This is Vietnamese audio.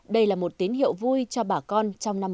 đây là một tín hiệu vui cho bà con